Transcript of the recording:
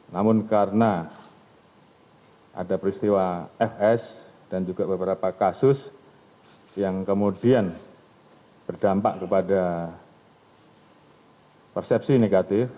namun karena ada peristiwa fs dan juga beberapa kasus yang kemudian berdampak kepada persepsi negatif